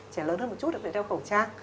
trẻ lớn hơn một chút được đeo khẩu trang